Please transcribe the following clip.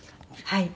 はい。